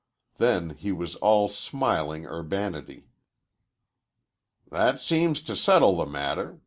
Then he was all smiling urbanity. "That seems to settle the matter.